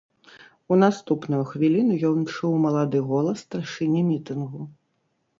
У наступную хвіліну ён чуў малады голас старшыні мітынгу.